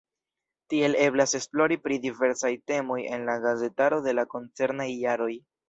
Tiel eblas esplori pri diversaj temoj en la gazetaro de la koncernaj jaroj.